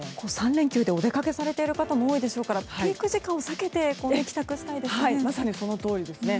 ３連休でお出かけされている方も多いでしょうからピーク時間を避けてまさにそのとおりですね。